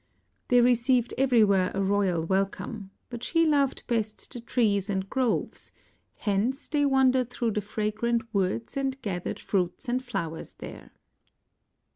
They received everywhere a royal welcome, but she loved best the trees and groves; hence, they wandered through the fragrant woods and gathered fruits and flowers there.